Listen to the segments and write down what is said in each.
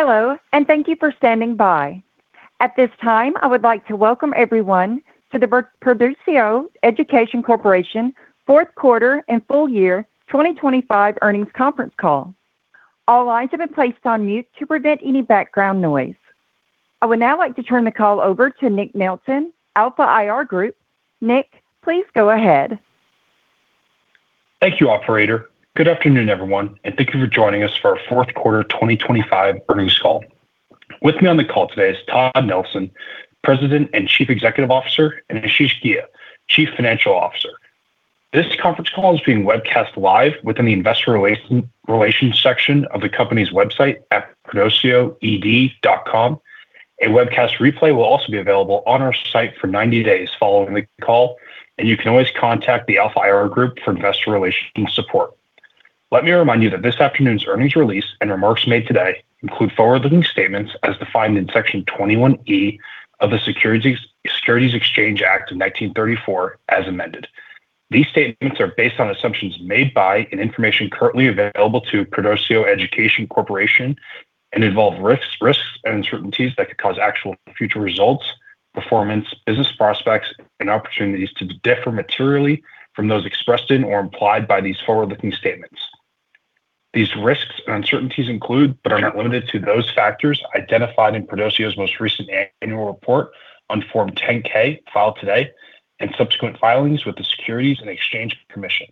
Hello, and thank you for standing by. At this time, I would like to welcome everyone to the Perdoceo Education Corporation Q4 and Full Year 2025 Earnings Conference Call. All lines have been placed on mute to prevent any background noise. I would now like to turn the call over to Nick Nelson, Alpha IR Group. Nick, please go ahead. Thank you, operator. Good afternoon, everyone, and thank you for joining us for our Q4 2025 earnings call. With me on the call today is Todd Nelson, President and Chief Executive Officer, and Ashish Ghia, Chief Financial Officer. This conference call is being webcast live within the Investor Relations section of the company's website at perdoceo.com. A webcast replay will also be available on our site for 90 days following the call, and you can always contact the Alpha IR Group for investor relations support. Let me remind you that this afternoon's earnings release and remarks made today include forward-looking statements as defined in Section 21E of the Securities Exchange Act of 1934 as amended. These statements are based on assumptions made by and information currently available to Perdoceo Education Corporation and involve risks, risks and uncertainties that could cause actual future results, performance, business prospects, and opportunities to differ materially from those expressed in or implied by these forward-looking statements. These risks and uncertainties include, but are not limited to, those factors identified in Perdoceo's most recent annual report on Form 10-K, filed today, and subsequent filings with the Securities and Exchange Commission.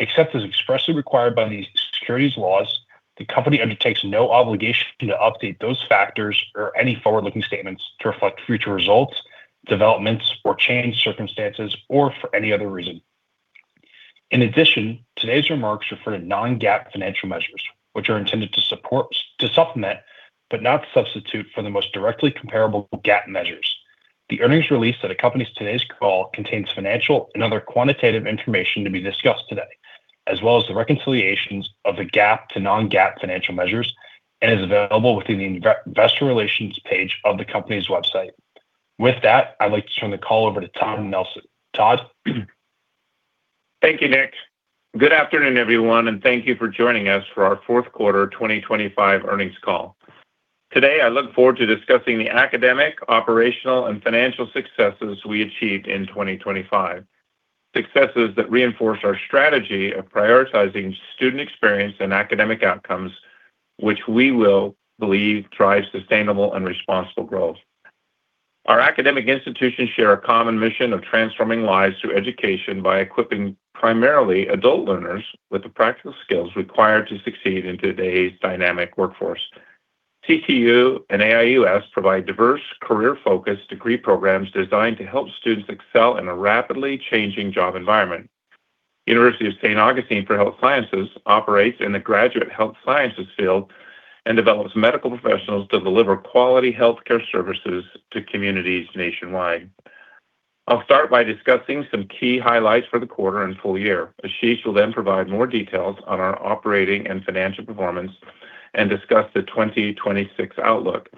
Except as expressly required by the securities laws, the company undertakes no obligation to update those factors or any forward-looking statements to reflect future results, developments or changed circumstances, or for any other reason. In addition, today's remarks refer to non-GAAP financial measures, which are intended to supplement, but not substitute for the most directly comparable GAAP measures. The earnings release that accompanies today's call contains financial and other quantitative information to be discussed today, as well as the reconciliations of the GAAP to non-GAAP financial measures, and is available within the Investor Relations page of the company's website. With that, I'd like to turn the call over to Todd Nelson. Thank you, Nick. Good afternoon, everyone, and thank you for joining us for our Q4 2025 earnings call. Today, I look forward to discussing the academic, operational and financial successes we achieved in 2025. Successes that reinforce our strategy of prioritizing student experience and academic outcomes, which we will believe drives sustainable and responsible growth. Our academic institutions share a common mission of transforming lives through education by equipping primarily adult learners with the practical skills required to succeed in today's dynamic workforce. CTU and AIU System provide diverse career-focused degree programs designed to help students excel in a rapidly changing job environment. University of St. Augustine for Health Sciences operates in the graduate health sciences field and develops medical professionals to deliver quality healthcare services to communities nationwide. I'll start by discussing some key highlights for the quarter and full year. Ashish will then provide more details on our operating and financial performance and discuss the 2026 outlook.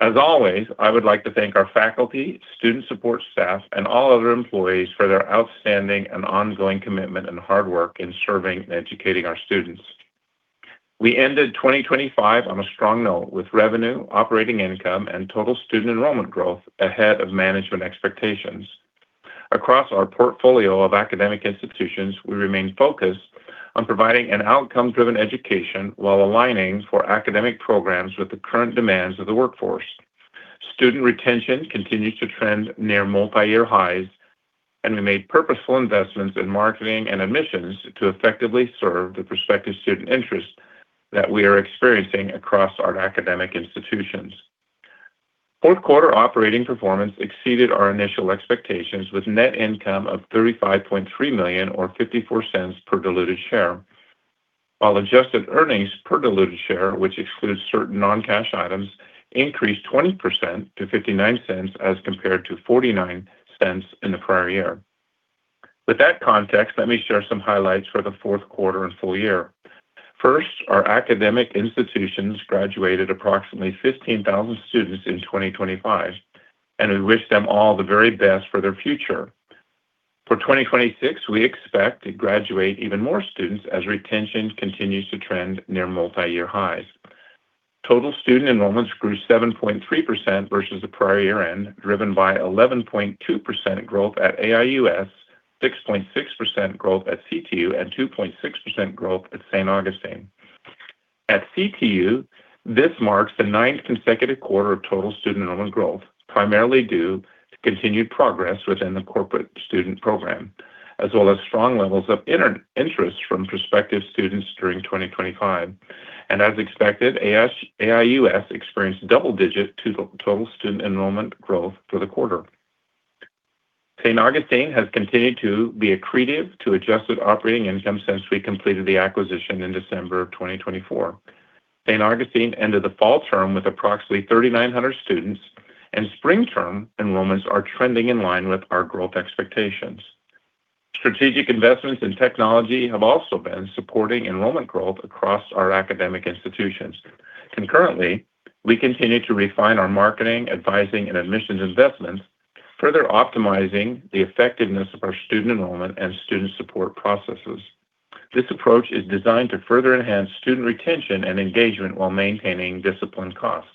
As always, I would like to thank our faculty, student support staff, and all other employees for their outstanding and ongoing commitment and hard work in serving and educating our students. We ended 2025 on a strong note, with revenue, operating income, and total student enrollment growth ahead of management expectations. Across our portfolio of academic institutions, we remain focused on providing an outcome-driven education while aligning four academic programs with the current demands of the workforce. Student retention continues to trend near multi-year highs, and we made purposeful investments in marketing and admissions to effectively serve the prospective student interest that we are experiencing across our academic institutions. Q4 operating performance exceeded our initial expectations, with net income of $35.3 million or $0.54 per diluted share, while adjusted earnings per diluted share, which excludes certain non-cash items, increased 20% to $0.59 as compared to $0.49 in the prior year. With that context, let me share some highlights for the Q4 and full year. First, our academic institutions graduated approximately 15,000 students in 2025, and we wish them all the very best for their future. For 2026, we expect to graduate even more students as retention continues to trend near multi-year highs. Total student enrollments grew 7.3% versus the prior year end, driven by 11.2% growth at AUS, 6.6% growth at CTU, and 2.6% growth at St. Augustine. At CTU, this marks the ninth consecutive quarter of total student enrollment growth, primarily due to continued progress within the corporate student program, as well as strong levels of interest from prospective students during 2025. As expected, AUS experienced double-digit total student enrollment growth for the quarter. St. Augustine has continued to be accretive to adjusted operating income since we completed the acquisition in December of 2024. St. Augustine ended the fall term with approximately 3,900 students, and spring term enrollments are trending in line with our growth expectations. Strategic investments in technology have also been supporting enrollment growth across our academic institutions. Concurrently, we continue to refine our marketing, advising, and admissions investments, further optimizing the effectiveness of our student enrollment and student support processes. This approach is designed to further enhance student retention and engagement while maintaining disciplined costs.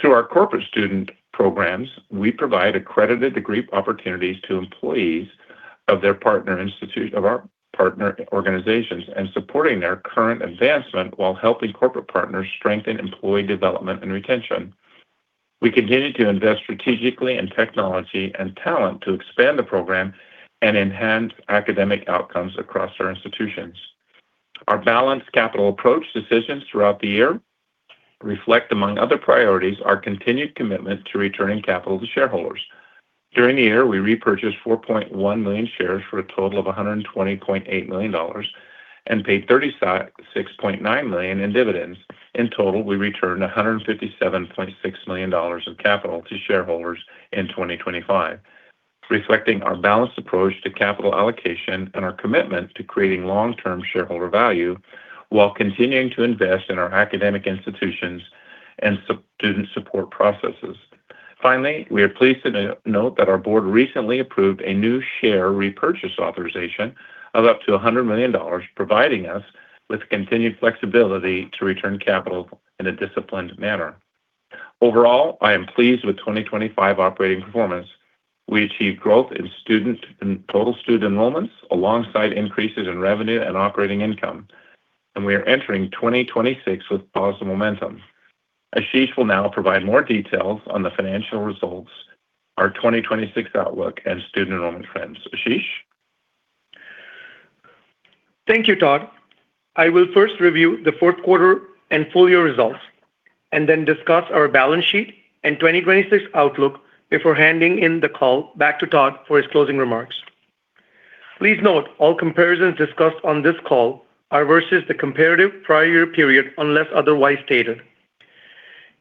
Through our corporate student programs, we provide accredited degree opportunities to employees of our partner organizations, and supporting their current advancement while helping corporate partners strengthen employee development and retention. We continue to invest strategically in technology and talent to expand the program and enhance academic outcomes across our institutions. Our balanced capital approach decisions throughout the year reflect, among other priorities, our continued commitment to returning capital to shareholders. During the year, we repurchased 4.1 million shares for a total of $120.8 million and paid $36.9 million in dividends. In total, we returned $157.6 million of capital to shareholders in 2025, reflecting our balanced approach to capital allocation and our commitment to creating long-term shareholder value while continuing to invest in our academic institutions and student support processes. Finally, we are pleased to note that our board recently approved a new share repurchase authorization of up to $100 million, providing us with continued flexibility to return capital in a disciplined manner. Overall, I am pleased with 2025 operating performance. We achieved growth in total student enrollments, alongside increases in revenue and operating income, and we are entering 2026 with positive momentum. Ashish will now provide more details on the financial results, our 2026 outlook and student enrollment trends. Ashish? Thank you, Todd. I will first review the Q4 and full year results, and then discuss our balance sheet and 2026 outlook before handing in the call back to Todd for his closing remarks. Please note, all comparisons discussed on this call are versus the comparative prior period, unless otherwise stated.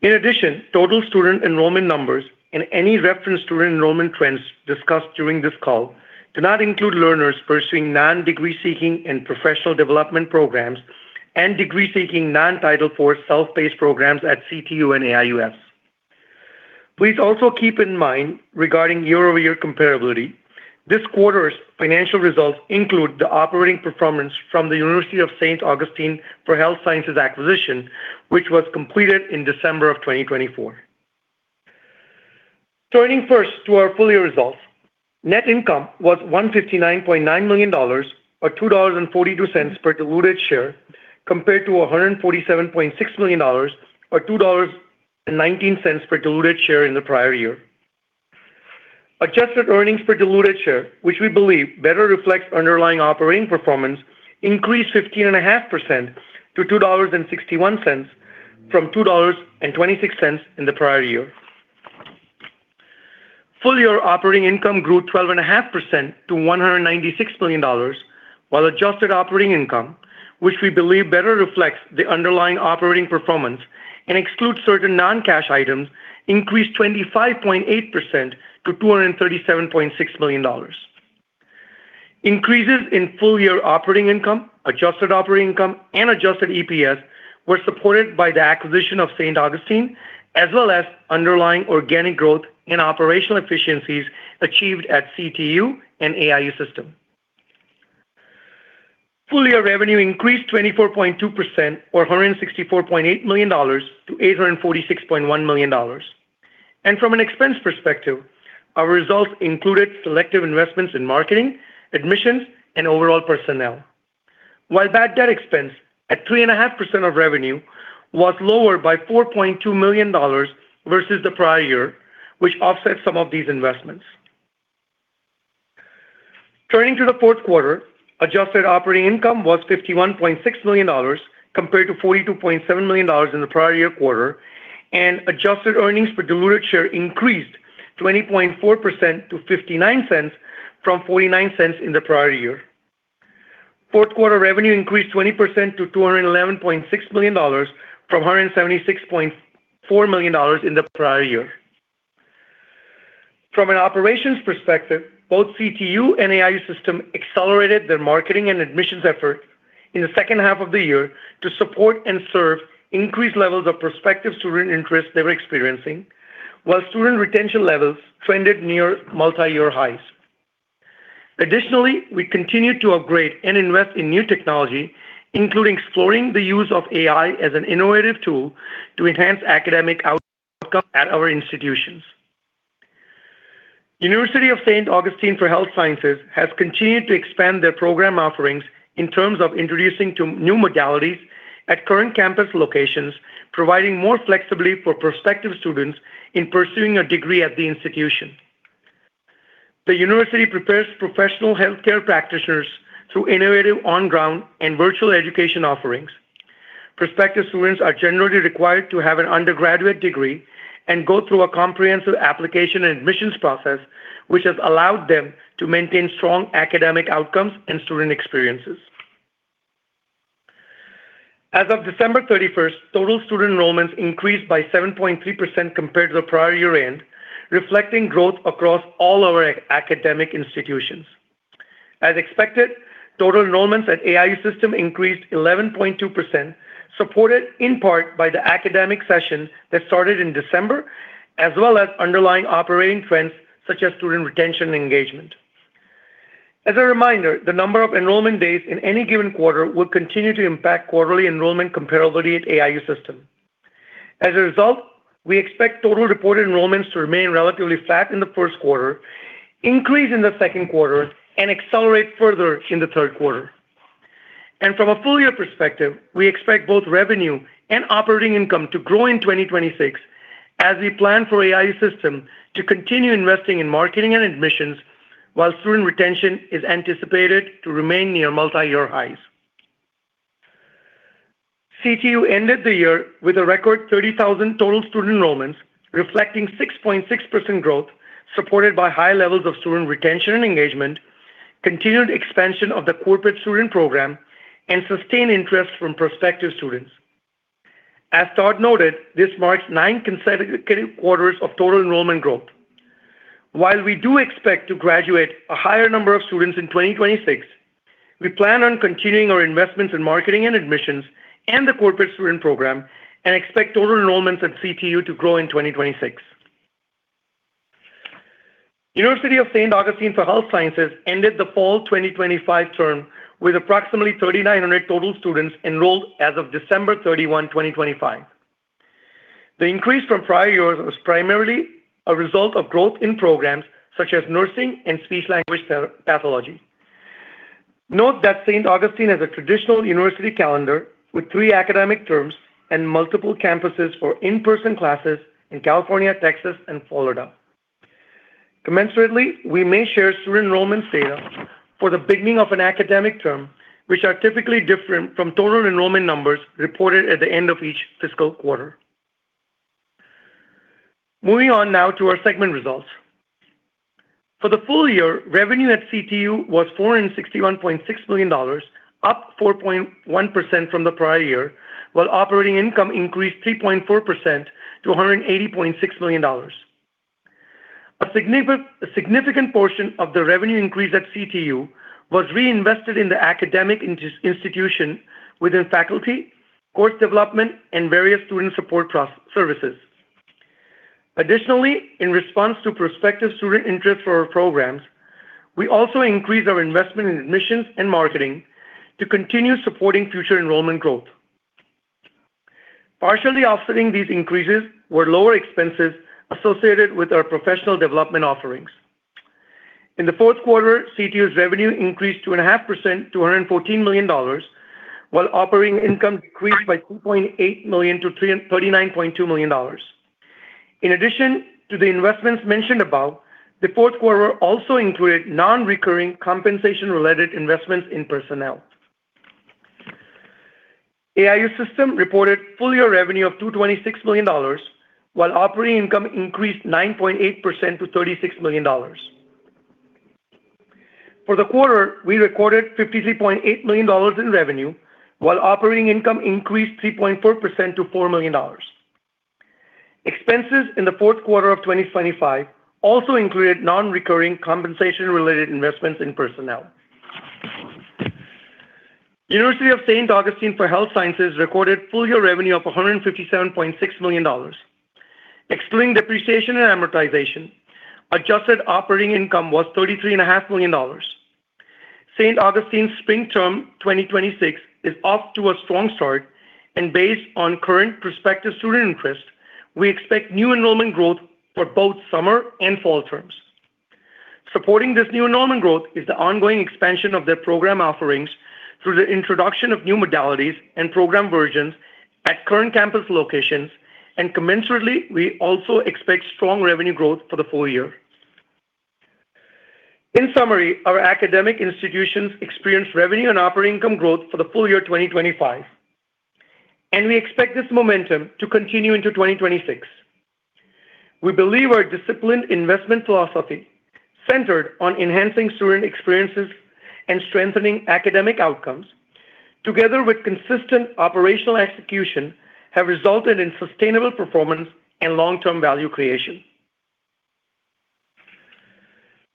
In addition, total student enrollment numbers and any reference to enrollment trends discussed during this call do not include learners pursuing non-degree seeking and professional development programs, and degree-seeking, non-Title IV, self-paced programs at CTU and AUS. Please also keep in mind regarding year-over-year comparability, this quarter's financial results include the operating performance from the University of St. Augustine for Health Sciences acquisition, which was completed in December of 2024. Turning first to our full-year results, net income was $159.9 million or $2.42 per diluted share, compared to $147.6 million, or $2.19 per diluted share in the prior year. Adjusted earnings per diluted share, which we believe better reflects underlying operating performance, increased 15.5% to $2.61 from $2.26 in the prior year. Full-year operating income grew 12.5% to $196 million, while adjusted operating income, which we believe better reflects the underlying operating performance and excludes certain non-cash items, increased 25.8% to $237.6 million. Increases in full-year operating income, adjusted operating income and Adjusted EPS were supported by the acquisition of St. Augustine, as well as underlying organic growth and operational efficiencies achieved at CTU and AIU System. Full year revenue increased 24.2% or $164.8 to $846.1 million. From an expense perspective, our results included selective investments in marketing, admissions, and overall personnel. While bad debt expense at 3.5% of revenue was lower by $4.2 million versus the prior year, which offset some of these investments. Turning to the Q4, adjusted operating income was $51.6 million, compared to $42.7 million in the prior year quarter, and adjusted earnings per diluted share increased 20.4% to $0.59 from $0.49 in the prior year. Q4 revenue increased 20% to $211.6 from $176.4 million in the prior year. From an operations perspective, both CTU and AIU System accelerated their marketing and admissions effort in the second half of the year to support and serve increased levels of prospective student interest they were experiencing, while student retention levels trended near multi-year highs. Additionally, we continued to upgrade and invest in new technology, including exploring the use of AI as an innovative tool to enhance academic outcome at our institutions. University of St. Augustine for Health Sciences has continued to expand their program offerings in terms of introducing to new modalities at current campus locations, providing more flexibility for prospective students in pursuing a degree at the institution. The university prepares professional healthcare practitioners through innovative on-ground and virtual education offerings. Prospective students are generally required to have an undergraduate degree and go through a comprehensive application and admissions process, which has allowed them to maintain strong academic outcomes and student experiences. As of December 31, total student enrollments increased by 7.3% compared to the prior year end, reflecting growth across all our academic institutions. As expected, total enrollments at AIU System increased 11.2%, supported in part by the academic session that started in December, as well as underlying operating trends such as student retention and engagement. As a reminder, the number of enrollment days in any given quarter will continue to impact quarterly enrollment comparability at AIU System. As a result, we expect total reported enrollments to remain relatively flat in the Q1, increase in the Q3, and accelerate further in the Q3. From a full year perspective, we expect both revenue and operating income to grow in 2026 as we plan for AIU System to continue investing in marketing and admissions, while student retention is anticipated to remain near multi-year highs. CTU ended the year with a record 30,000 total student enrollments, reflecting 6.6% growth, supported by high levels of student retention and engagement, continued expansion of the corporate student program, and sustained interest from prospective students. As Todd noted, this marks 9 consecutive quarters of total enrollment growth. While we do expect to graduate a higher number of students in 2026, we plan on continuing our investments in marketing and admissions and the corporate student program, and expect total enrollments at CTU to grow in 2026. University of St. Augustine for Health Sciences ended the fall 2025 term with approximately 3,900 total students enrolled as of December 31, 2025. The increase from prior years was primarily a result of growth in programs such as nursing and speech-language pathology. Note that St. Augustine has a traditional university calendar with three academic terms and multiple campuses for in-person classes in California, Texas, and Florida. Commensurately, we may share student enrollment data for the beginning of an academic term, which are typically different from total enrollment numbers reported at the end of each fiscal quarter. Moving on now to our segment results. For the full year, revenue at CTU was $461.6 million, up 4.1% from the prior year, while operating income increased 3.4% to $180.6 million. A significant portion of the revenue increase at CTU was reinvested in the academic institution within faculty, course development, and various student support services. Additionally, in response to prospective student interest for our programs, we also increased our investment in admissions and marketing to continue supporting future enrollment growth. Partially offsetting these increases were lower expenses associated with our professional development offerings. In the Q4, CTU's revenue increased 2.5% to $114 million, while operating income decreased by $2.8 to $339.2 million. In addition to the investments mentioned above, the Q4 also included non-recurring compensation-related investments in personnel. AIU System reported full-year revenue of $226 million, while operating income increased 9.8% to $36 million. For the quarter, we recorded $53.8 million in revenue, while operating income increased 3.4% to $4 million. Expenses in the Q4 of 2025 also included non-recurring compensation-related investments in personnel. University of St. Augustine for Health Sciences recorded full year revenue of $157.6 million. Excluding depreciation and amortization, adjusted operating income was $33.5 million. St. Augustine's spring term 2026 is off to a strong start, and based on current prospective student interest, we expect new enrollment growth for both summer and fall terms. Supporting this new enrollment growth is the ongoing expansion of their program offerings through the introduction of new modalities and program versions at current campus locations, and commensurately, we also expect strong revenue growth for the full year. In summary, our academic institutions experienced revenue and operating income growth for the full year 2025, and we expect this momentum to continue into 2026. We believe our disciplined investment philosophy, centered on enhancing student experiences and strengthening academic outcomes, together with consistent operational execution, have resulted in sustainable performance and long-term value creation.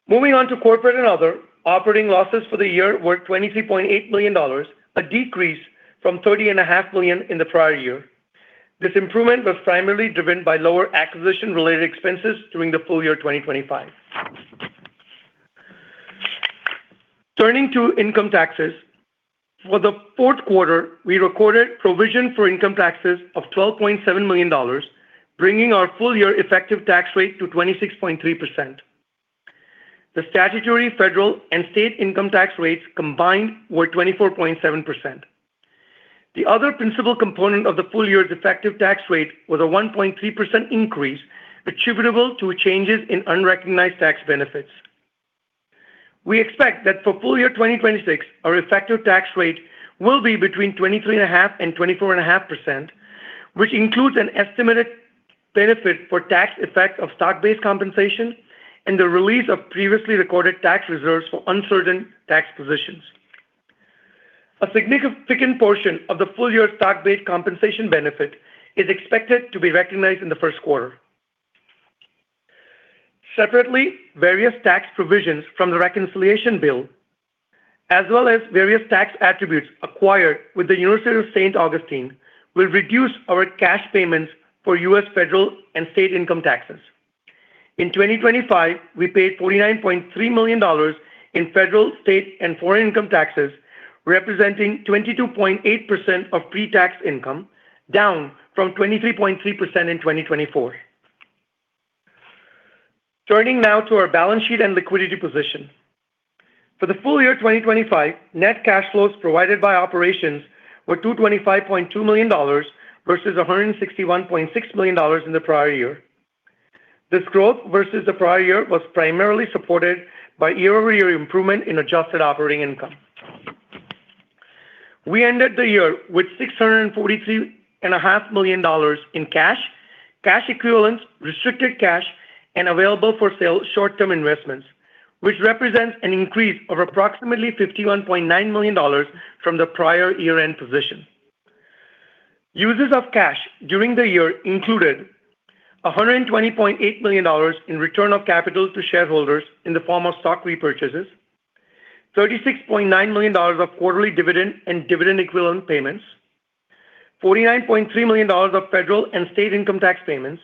Moving on to corporate and other, operating losses for the year were $23.8 million, a decrease from $30.5 million in the prior year. This improvement was primarily driven by lower acquisition-related expenses during the full year 2025. Turning to income taxes. For the Q4, we recorded provision for income taxes of $12.7 million, bringing our full year effective tax rate to 26.3%. The statutory federal and state income tax rates combined were 24.7%. The other principal component of the full year's effective tax rate was a 1.3% increase, attributable to changes in unrecognized tax benefits. We expect that for full year 2026, our effective tax rate will be between 23.5% and 24.5%, which includes an estimated benefit for tax effects of stock-based compensation and the release of previously recorded tax reserves for uncertain tax positions. A significant portion of the full-year stock-based compensation benefit is expected to be recognized in the Q1. Separately, various tax provisions from the reconciliation bill, as well as various tax attributes acquired with the University of St. Augustine, will reduce our cash payments for U.S. federal and state income taxes. In 2025, we paid $49.3 million in federal, state, and foreign income taxes, representing 22.8% of pre-tax income, down from 23.3% in 2024. Turning now to our balance sheet and liquidity position. For the full year 2025, net cash flows provided by operations were $225.2 million versus $161.6 million in the prior year. This growth versus the prior year was primarily supported by year-over-year improvement in adjusted operating income. We ended the year with $643.5 million in cash, cash equivalents, restricted cash, and available-for-sale short-term investments, which represents an increase of approximately $51.9 million from the prior year-end position. Uses of cash during the year included $120.8 million in return of capital to shareholders in the form of stock repurchases, $36.9 million of quarterly dividend and dividend equivalent payments, $49.3 million of federal and state income tax payments,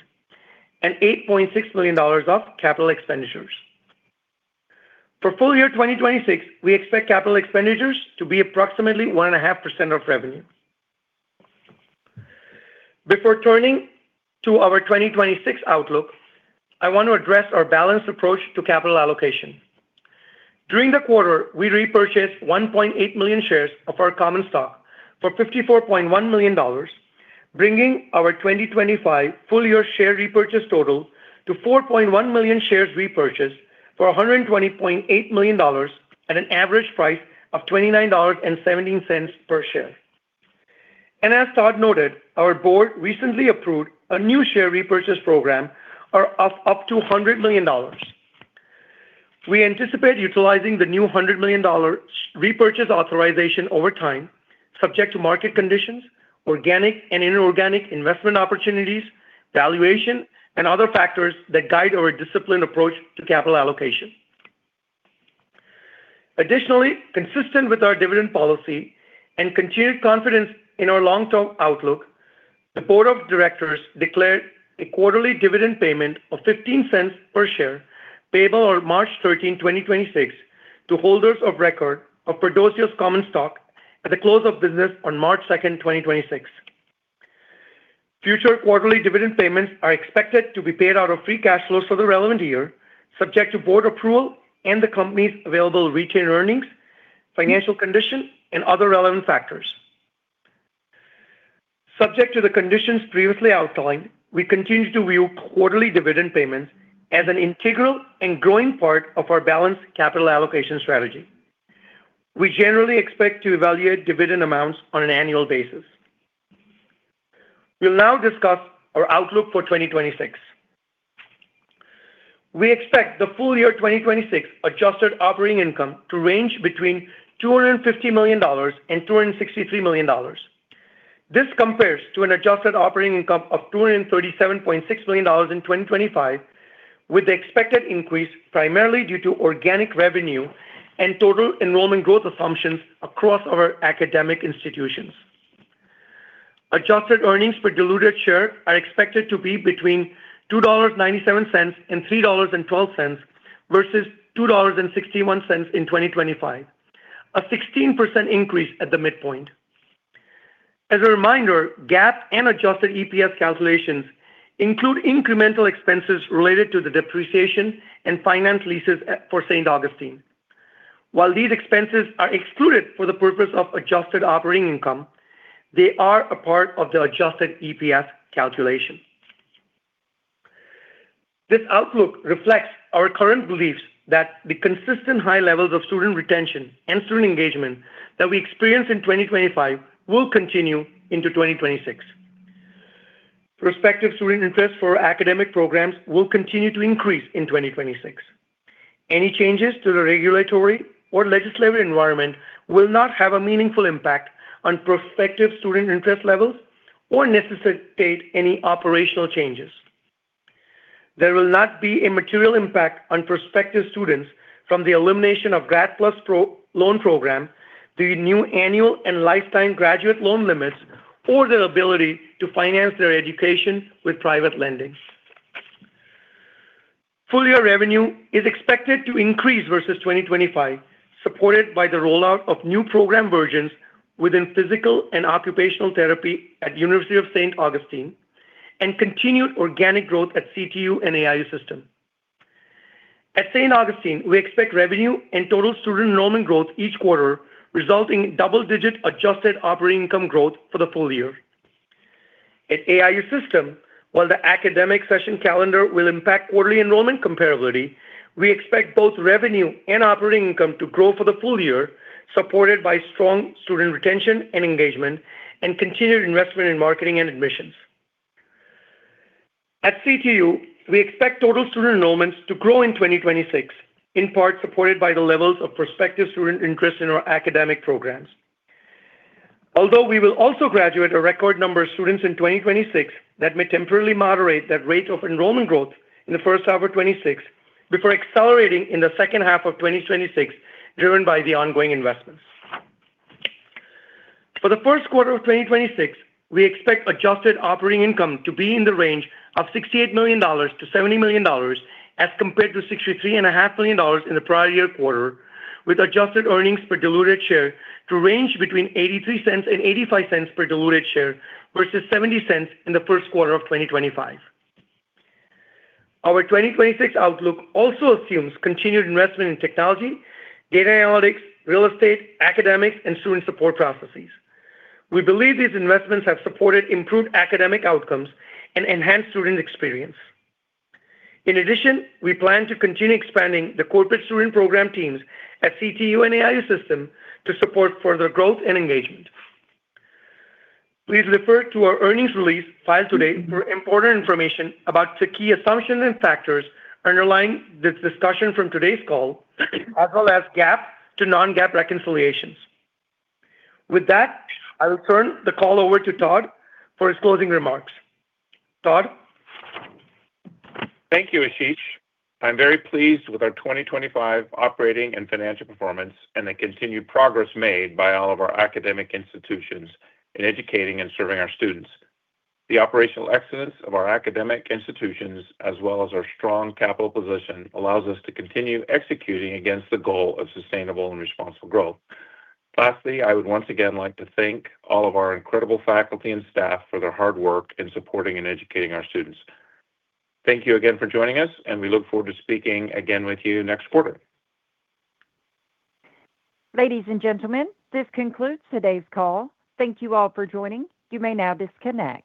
and $8.6 million of capital expenditures. For full year 2026, we expect capital expenditures to be approximately 1.5% of revenue. Before turning to our 2026 outlook, I want to address our balanced approach to capital allocation. During the quarter, we repurchased 1.8 million shares of our common stock for $54.1 million, bringing our 2025 full year share repurchase total to 4.1 million shares repurchased for $120.8 million at an average price of $29.17 per share. And as Todd noted, our board recently approved a new share repurchase program of up to $100 million. We anticipate utilizing the new $100 million repurchase authorization over time, subject to market conditions, organic and inorganic investment opportunities, valuation, and other factors that guide our disciplined approach to capital allocation. Additionally, consistent with our dividend policy and continued confidence in our long-term outlook, the board of directors declared a quarterly dividend payment of $0.15 per share, payable on March 13, 2026, to holders of record of Perdoceo's common stock at the close of business on March 2, 2026. Future quarterly dividend payments are expected to be paid out of free cash flows for the relevant year, subject to board approval and the company's available retained earnings, financial condition, and other relevant factors. Subject to the conditions previously outlined, we continue to view quarterly dividend payments as an integral and growing part of our balanced capital allocation strategy. We generally expect to evaluate dividend amounts on an annual basis. We'll now discuss our outlook for 2026. We expect the full year 2026 adjusted operating income to range between $250-$263 million. This compares to an adjusted operating income of $237.6 million in 2025, with the expected increase primarily due to organic revenue and total enrollment growth assumptions across our academic institutions. Adjusted earnings per diluted share are expected to be between $2.97-$3.12, versus $2.61 in 2025, a 16% increase at the midpoint. As a reminder, GAAP and adjusted EPS calculations include incremental expenses related to the depreciation and finance leases for St. Augustine. While these expenses are excluded for the purpose of adjusted operating income, they are a part of the adjusted EPS calculation. This outlook reflects our current beliefs that the consistent high levels of student retention and student engagement that we experienced in 2025 will continue into 2026. Prospective student interest for academic programs will continue to increase in 2026. Any changes to the regulatory or legislative environment will not have a meaningful impact on prospective student interest levels or necessitate any operational changes. There will not be a material impact on prospective students from the elimination of Grad PLUS Loan program, the new annual and lifetime graduate loan limits, or their ability to finance their education with private lending. Full-year revenue is expected to increase versus 2025, supported by the rollout of new program versions within Physical and Occupational Therapy at University of St. Augustine, and continued organic growth at CTU and AIU System. At St. Augustine, we expect revenue and total student enrollment growth each quarter, resulting in double-digit adjusted operating income growth for the full year. At AIU System, while the academic session calendar will impact quarterly enrollment comparability, we expect both revenue and operating income to grow for the full year, supported by strong student retention and engagement and continued investment in marketing and admissions. At CTU, we expect total student enrollments to grow in 2026, in part supported by the levels of prospective student interest in our academic programs. Although we will also graduate a record number of students in 2026, that may temporarily moderate that rate of enrollment growth in the first half of 2026, before accelerating in the second half of 2026, driven by the ongoing investments. For the Q1 of 2026, we expect adjusted operating income to be in the range of $68-$70 million, as compared to $63.5 million in the prior year quarter, with adjusted earnings per diluted share to range between $0.83 and $0.85 per diluted share, versus $0.70 in the Q1 of 2025. Our 2026 outlook also assumes continued investment in technology, data analytics, real estate, academics, and student support processes. We believe these investments have supported improved academic outcomes and enhanced student experience. In addition, we plan to continue expanding the corporate student program teams at CTU and AIU System to support further growth and engagement. Please refer to our earnings release filed today for important information about the key assumptions and factors underlying this discussion from today's call, as well as GAAP to non-GAAP reconciliations. With that, I will turn the call over to Todd for his closing remarks. Todd? Thank you, Ashish. I'm very pleased with our 2025 operating and financial performance, and the continued progress made by all of our academic institutions in educating and serving our students. The operational excellence of our academic institutions, as well as our strong capital position, allows us to continue executing against the goal of sustainable and responsible growth. Lastly, I would once again like to thank all of our incredible faculty and staff for their hard work in supporting and educating our students. Thank you again for joining us, and we look forward to speaking again with you next quarter. Ladies and gentlemen, this concludes today's call. Thank you all for joining. You may now disconnect.